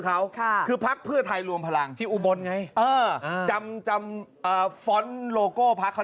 เขาค่ะคือพักเพื่อไทยรวมพลังที่อุบลไงเออจำจำฟ้อนต์โลโก้พักเขา